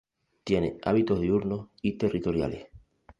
Tiene hábitos diurnos y territoriales.